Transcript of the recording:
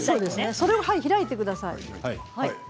これを開いてください。